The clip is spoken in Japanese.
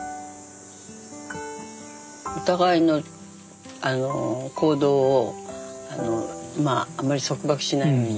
お互いの行動をあまり束縛しないように。